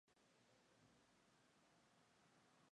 El clima local es caliente.